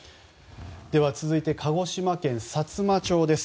続いて鹿児島県さつま町です。